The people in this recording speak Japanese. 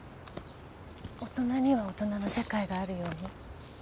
大人には大人の世界があるように？